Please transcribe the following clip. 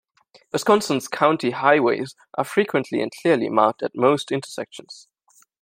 Wisconsin's county highways are frequently and clearly marked at most intersections.